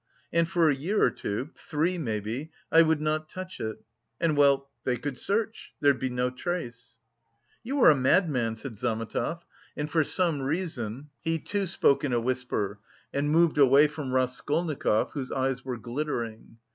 And for a year or two, three maybe, I would not touch it. And, well, they could search! There'd be no trace." "You are a madman," said Zametov, and for some reason he too spoke in a whisper, and moved away from Raskolnikov, whose eyes were glittering.